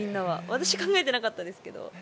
私は考えていなかったですけど。